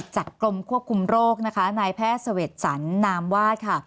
กรมควบคุมโรคนะคะนายแพทย์เสวดสรรนามวาดค่ะ